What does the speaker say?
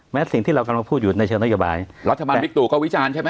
สิ่งที่เรากำลังพูดอยู่ในเชิงนโยบายรัฐบาลบิ๊กตูก็วิจารณ์ใช่ไหม